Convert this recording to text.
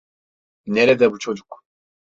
Nerede bu çocuk?